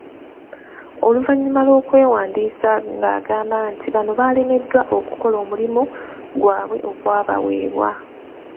Oluvannyuma lw'okwewandiisa ng'agamba nti bano baalemeddwa okukola omulimu gwabwe ogwabawebwa.